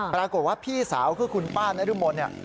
ปรากฏว่าพี่สาวคือคุณป้านรมนเนี่ย